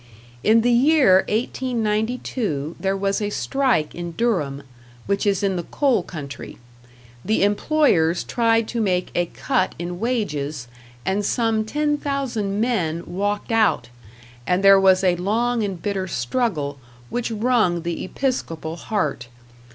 In the year 1892 there was a strike in Durham, which is in the coal country; the employers tried to make a cut in wages, and some ten thousand men walked out, and there was a long and bitter struggle, which wrung the episcopal heart.